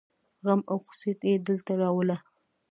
غم او خوښي يې دلته راوړله.